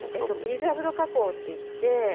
プリザーブド加工っていって。